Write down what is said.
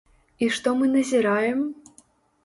І што мы назіраем?